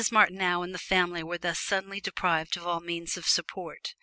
Martineau and the family were thus suddenly deprived of all means of support.